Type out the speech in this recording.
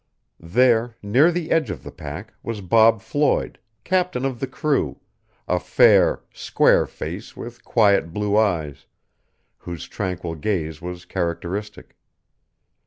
There, near the edge of the pack, was Bob Floyd, captain of the crew, a fair, square face with quiet blue eyes, whose tranquil gaze was characteristic.